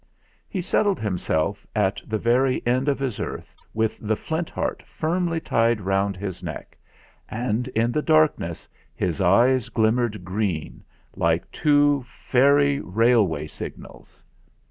He settled himself at the very end of his earth, with the Flint Heart firmly tied round his neck; and in the darkness his eyes glim mered green, like two fairy railway signals.